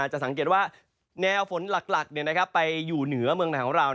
จะสังเกตว่าแนวฝนหลักไปอยู่เหนือเมืองไหนของเรา